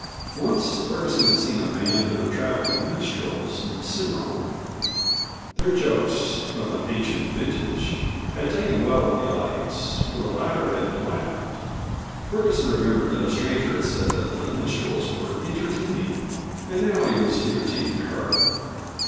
Once Ferguson had seen a band of traveling minstrels in Cimarron. Their jokes (of an ancient vintage) had taken well with the audience, for the latter had laughed. Ferguson remembered that a stranger had said that the minstrels were "entertaining." And now he was entertaining her.